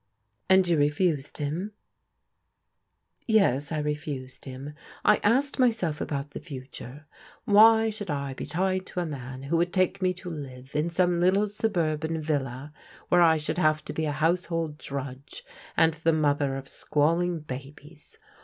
" And you refused him? " Yes, I refused him. I asked myself about the fu ture. Why should I be tied to a man who would take me to live in some little suburban villa where I should have to be a household drudge, and the mother of squall ing babies?